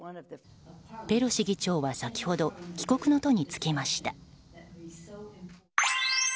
ペロシ議長は先ほど帰国の途に就きました。